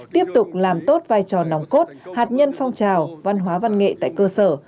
tiếp tục làm tốt vai trò nòng cốt hạt nhân phong trào văn hóa văn nghệ tại cơ sở